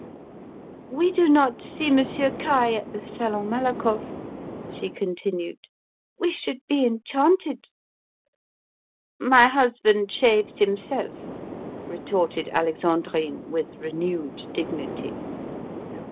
"We do not see Monsieur Caille at the Salon Malakoff," she continued. "We should be enchanted" "My husband shaves himself," retorted Alexandrine, with renewed dignity.